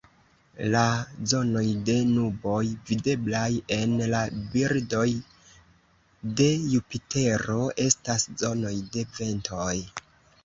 La zonoj de nuboj videblaj en la bildoj de Jupitero estas zonoj de ventoj.